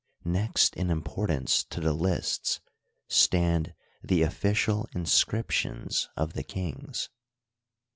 Next in importance to the lists stand the official inscrip^ tions of the kings.